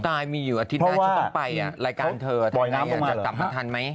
ตายมีอาทิตย์หน้าชุดต้นไปรายการเธอทำไงจับมันทันไหม